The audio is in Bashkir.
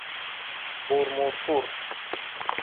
Бурмуртур!